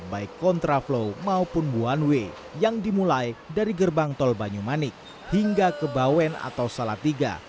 baik kontraflow maupun one way yang dimulai dari gerbang tol banyumanik hingga ke bawen atau salatiga